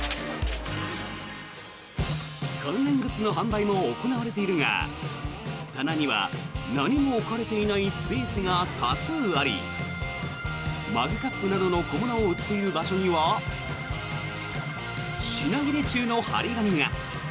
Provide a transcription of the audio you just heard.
関連グッズの販売も行われているが棚には何も置かれていないスペースが多数ありマグカップなどの小物を売っている場所には品切れ中の貼り紙が。